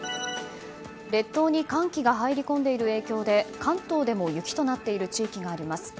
列島に寒気が入り込んでいる影響で関東でも雪となっている地域があります。